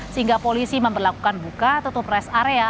sehingga polisi memperlakukan buka tutup rest area